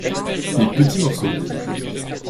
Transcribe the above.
Des petits morceaux.